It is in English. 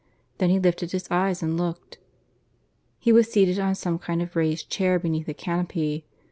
Then he lifted his eyes and looked. He was seated on some kind of raised chair beneath a canopy.